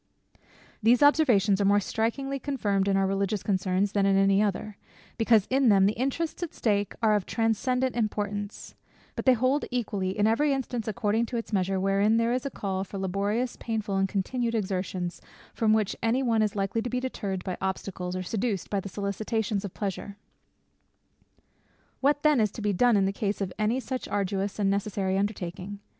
These observations are more strikingly confirmed in our religious concerns than in any other; because in them the interests at stake are of transcendant importance: but they hold equally in every instance according to its measure, wherein there is a call for laborious, painful, and continued exertions, from which any one is likely to be deterred by obstacles, or seduced by the solicitations of pleasure. What then it to be done in the case of any such arduous and necessary undertaking?